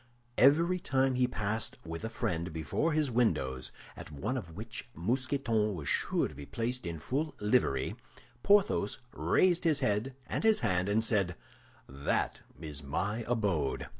Every time he passed with a friend before his windows, at one of which Mousqueton was sure to be placed in full livery, Porthos raised his head and his hand, and said, "That is my abode!"